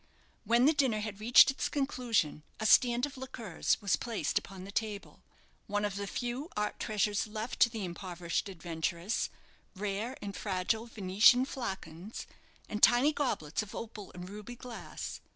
When the dinner had reached its conclusion, a stand of liqueurs was placed upon the table, one of the few art treasures left to the impoverished adventuress, rare and fragile Venetian flacons, and tiny goblets of opal and ruby glass.